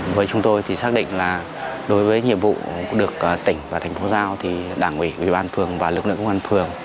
với chúng tôi thì xác định là đối với nhiệm vụ được tỉnh và thành phố giao thì đảng ủy ủy ban phường và lực lượng công an phường